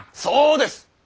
そうです！